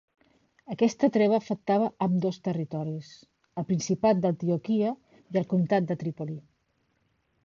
Aquesta treva afectava ambdós territoris: el Principat d'Antioquia i el Comtat de Trípoli.